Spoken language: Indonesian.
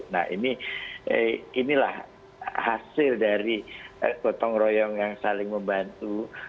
nah inilah hasil dari gotong royong yang saling membantu